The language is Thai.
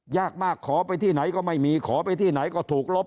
ยากมากขอไปที่ไหนก็ไม่มีขอไปที่ไหนก็ถูกลบ